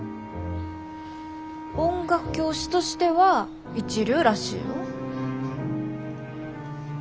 音楽教師としては一流らしいよ。